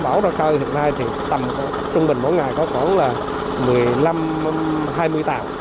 bảo ra khơi hiện nay thì tầm trung bình mỗi ngày có khoảng là một mươi năm hai mươi tàu